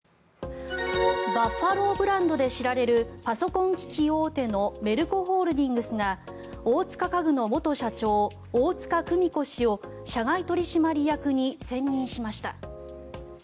バッファローブランドで知られるパソコン機器大手のメルコホールディングスが大塚家具の元社長大塚久美子氏を社外取締役に選任しました。